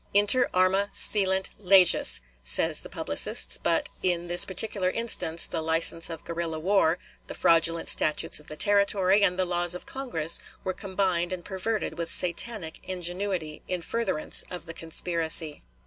Inter arma silent leges, say the publicists; but in this particular instance the license of guerrilla war, the fraudulent statutes of the Territory, and the laws of Congress were combined and perverted with satanic ingenuity in furtherance of the conspiracy.